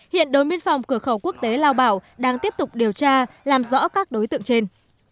hiện đối biên phòng cửa khẩu quốc tế lao bảo đang tiếp tục điều tra làm rõ các đối tượng trên